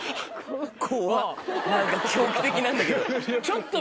何か狂気的なんだけど。